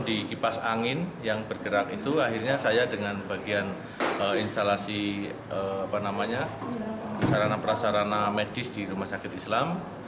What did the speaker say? di kipas angin yang bergerak itu akhirnya saya dengan bagian instalasi sarana prasarana medis di rumah sakit islam